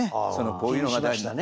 こういうのが大事だね